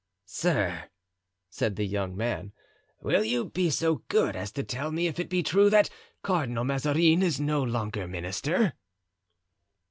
"Sir," said the young man, "will you be so good as to tell me if it be true that Cardinal Mazarin is no longer minister?"